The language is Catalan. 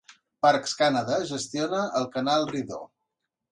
Parks Canada gestiona el canal Rideau.